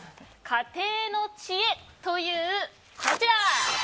家庭の知恵というこちら。